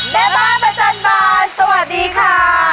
แม่บ้านประจันบานสวัสดีค่ะ